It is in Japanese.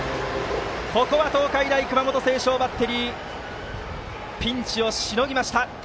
ここは東海大熊本星翔バッテリーピンチをしのぎました。